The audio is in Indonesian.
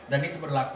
dan itu berlaku